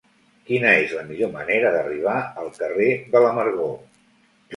Quina és la millor manera d'arribar al carrer de l'Amargor?